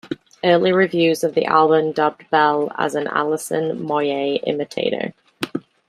Early reviews of the album dubbed Bell as 'an Alison Moyet imitator'.